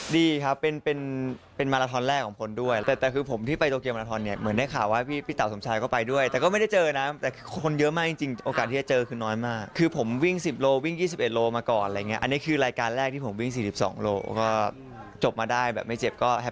ดีครับเป็นเป็นมาลาทอนแรกของคนด้วยแต่คือผมที่ไปโตเกียมาลาทอนเนี่ยเหมือนได้ข่าวว่าพี่เต๋าสมชายก็ไปด้วยแต่ก็ไม่ได้เจอนะแต่คนเยอะมากจริงโอกาสที่จะเจอคือน้อยมากคือผมวิ่ง๑๐โลวิ่ง๒๑โลมาก่อนอะไรอย่างเงี้อันนี้คือรายการแรกที่ผมวิ่ง๔๒โลก็จบมาได้แบบไม่เจ็บก็แฮ